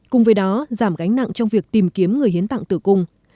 cùng với đó giảm gánh nặng trong việc tìm kiếm người hiến tặng tử cung